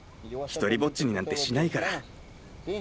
独りぼっちになんてしないから。